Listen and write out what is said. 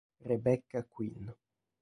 Rebecca Quinn